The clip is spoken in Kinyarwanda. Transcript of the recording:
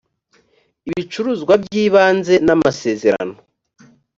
ibicuruzwa by ibanze n amasezerano